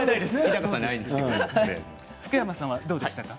福山さん、どうでしたか。